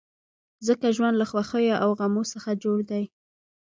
ځکه ژوند له خوښیو او غمو څخه جوړ دی.